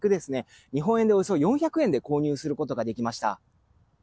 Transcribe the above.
日本円でおよそ４００円で購入することができました。